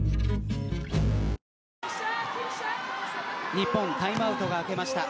日本タイムアウトが明けました。